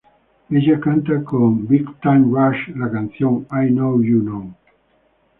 Ella canta con Big Time Rush la canción, "I Know You Know.